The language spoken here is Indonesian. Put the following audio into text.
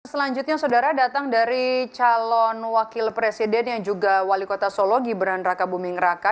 selanjutnya saudara datang dari calon wakil presiden yang juga wali kota solo gibran raka buming raka